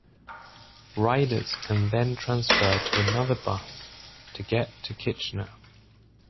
Riders can then transfer to another bus to get to Kitchener.